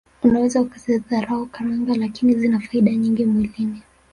Unaweza ukazidharau karanga lakini zina faida nyingi mwilini